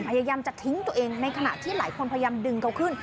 พยายามจะทิ้งตัวเองในขณะที่หลายคนพยายามดึงเขาขึ้น